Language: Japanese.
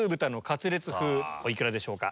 お幾らでしょうか？